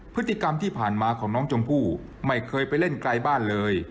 พฤติกรรมที่ผ่านมาของน้องชมพู่ไม่เคยไปเล่นไกลบ้านเลย